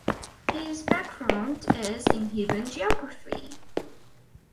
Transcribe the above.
His background is in human geography.